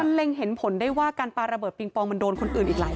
เล็งเห็นผลได้ว่าการปลาระเบิดปิงปองมันโดนคนอื่นอีกหลาย